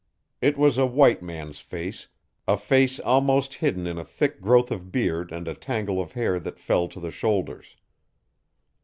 It was a white man's face a face almost hidden in a thick growth of beard and a tangle of hair that fell to the shoulders.